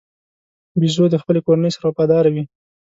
بیزو د خپلې کورنۍ سره وفاداره وي.